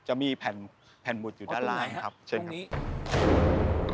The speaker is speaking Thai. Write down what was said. จะมีแผ่นหมุดอยู่ด้านล่างครับเชิญครับครับพระอาจารย์อ๋อทุกนี้ครับ